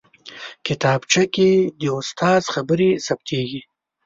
کتابچه کې د استاد خبرې ثبتېږي